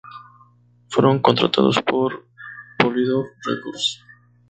Fueron contratados por Polydor Records.